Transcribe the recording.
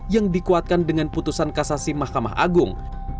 yang dikuatkan dengan putusan kasasi mahkamah agung